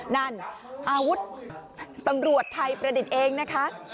นั่นอาวุธตำรวจไทยประดิษฐ์เองนะคะ